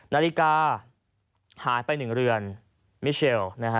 นาฬิกาหายไป๑เรือนมิเชล